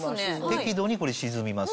適度にこれ沈みます。